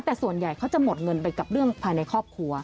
แต่ส่วนใหญ่เขาจะหมดเงินไปกับเรื่องภายในครอบครัว